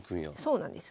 そうなんです。